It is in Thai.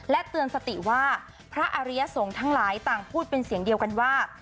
เตือนสติว่าพระอริยสงฆ์ทั้งหลายต่างพูดเป็นเสียงเดียวกันว่า